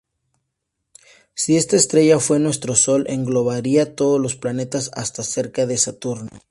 Si esta estrella fuera nuestro Sol, englobaría todos los planetas hasta cerca de Saturno.